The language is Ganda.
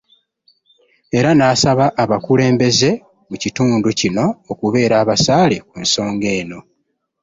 Era n'asaba abakulembeze mu kitundu kino okubeera abasaale ku nsonga eno